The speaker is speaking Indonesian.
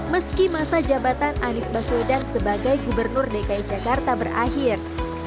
meski masa jabatan anies baswedan sebagai gubernur dki jakarta berakhir